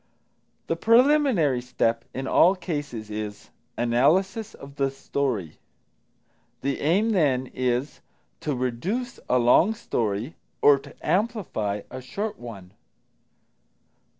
The preliminary step in all cases is Analysis of the Story. The aim, then, is to reduce a long story or to amplify a short one.